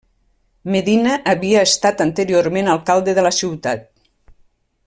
Medina havia estat anteriorment alcalde de la ciutat.